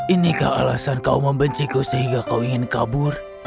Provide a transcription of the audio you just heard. inikah alasan kau membenciku sehingga kau ingin kabur